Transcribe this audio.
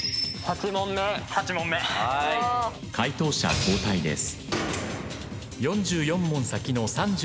解答者交代です。